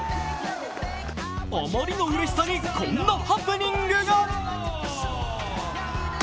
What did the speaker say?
あまりのうれしさにこんなハプニングが。